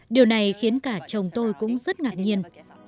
điều này khiến cả chồng tôi cũng rất ngạc nhiên